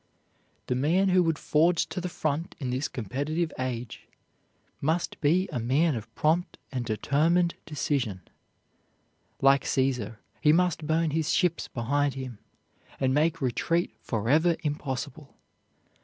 The man who would forge to the front in this competitive age must be a man of prompt and determined decision; like Caesar, he must burn his ships behind him, and make retreat forever impossible.